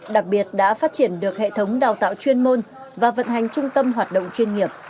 đặc biệt đã phát triển được hệ thống đào tạo chuyên môn và vận hành trung tâm hoạt động chuyên nghiệp